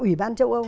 ủy ban châu âu